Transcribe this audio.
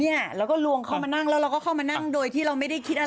เนี่ยแล้วก็ลวงเขามานั่งแล้วเราก็เข้ามานั่งโดยที่เราไม่ได้คิดอะไร